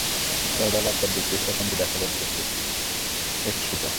তবে বেলা একটার দিকে কিছুটা কমতে দেখা যায় ডিএসই এক্স সূচক।